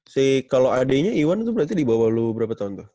si kalo adeknya iwan tuh berarti di bawah lu berapa tahun tuh